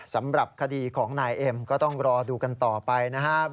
สำหรับคดีของนายเอ็มก็ต้องรอดูกันต่อไปนะครับ